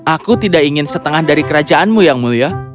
aku tidak ingin setengah dari kerajaanmu yang mulia